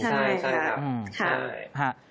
ใช่ครับ